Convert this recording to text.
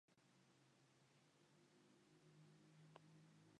Sin embargo, las tropas imperiales los alcanzaron, haciendo inevitable la batalla campal.